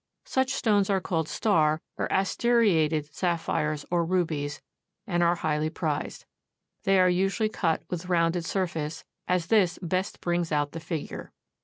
Such stones are called star or asteriated sapphires or rubies, and are highly prized. They are usually cut with rounded surface, as this best brings out the figure.